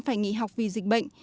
phải nghỉ học vì dịch bệnh